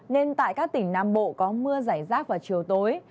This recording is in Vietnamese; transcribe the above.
nên tại các tỉnh nam bộ có mưa giải rác vào chiều tối